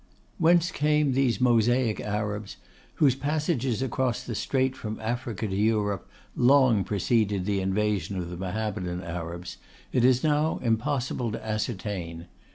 Whence came those Mosaic Arabs whose passages across the strait from Africa to Europe long preceded the invasion of the Mohammedan Arabs, it is now impossible to ascertain.